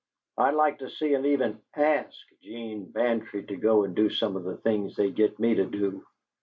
I'd like to see 'em even ASK 'Gene Bantry to go and do some of the things they get me to do!